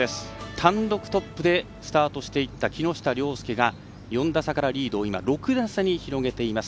単独トップでスタートしていった木下稜介が４打差からリードを６打差に広げています。